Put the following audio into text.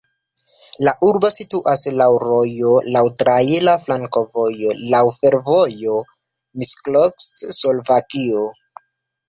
La urbo situas laŭ rojo, laŭ traira flankovojo, laŭ fervojo Miskolc-Slovakio.